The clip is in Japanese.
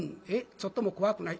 ちょっとも怖くない？